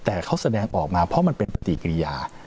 แต่เขาแสดงออกมาเพราะมันเป็นปฏิกิริยา